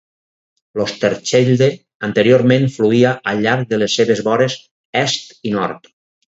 L'Oosterschelde anteriorment fluïa al llarg de les seves vores est i nord.